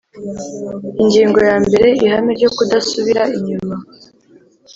Ingingo ya mbere Ihame ryo kudasubira inyuma